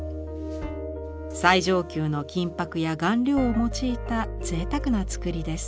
最上級の金箔や顔料を用いた贅沢な作りです。